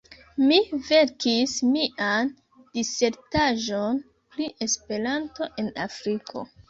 Mi verkis mian disertaĵon pri Esperanto en Afriko.